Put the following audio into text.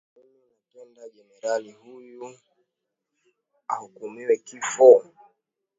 mimi napenda jenerali huyu ahukumiwe kifo